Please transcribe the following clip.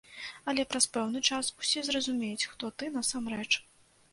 Але праз пэўны час усе зразумеюць, хто ты насамрэч.